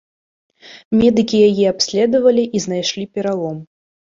Медыкі яе абследавалі і знайшлі пералом.